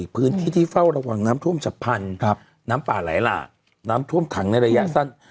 พื้นที่ที่เฝ้าระวังน้ำท่วมฉับพันธุ์น้ำป่าไหลหลากน้ำท่วมขังในระยะสั้น